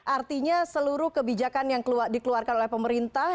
artinya seluruh kebijakan yang dikeluarkan oleh pemerintah